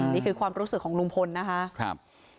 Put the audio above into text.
นี่คือความรู้สึกของลุงพลนะคะ